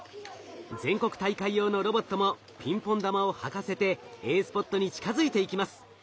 全国大会用のロボットもピンポン玉をはかせてＡスポットに近づいていきます。